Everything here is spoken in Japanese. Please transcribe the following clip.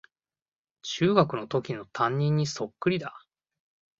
中学のときの担任にそっくりだ